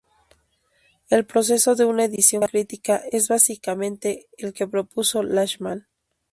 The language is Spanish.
El proceso de una edición crítica es básicamente el que propuso Lachmann.